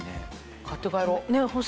買って帰ろう。